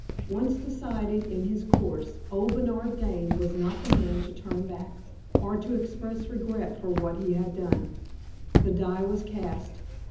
Once decided in his course, old Bernard Dane was not the man to turn back, or to express regret for what he had done. The die was cast.